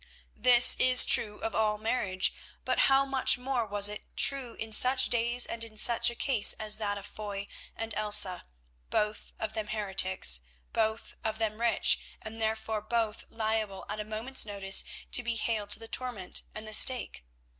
This is true of all marriage, but how much more was it true in such days and in such a case as that of Foy and Elsa, both of them heretics, both of them rich, and, therefore, both liable at a moment's notice to be haled to the torment and the stake?